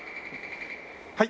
はい。